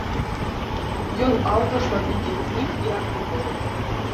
Ён аўтар шматлікіх кніг і артыкулаў.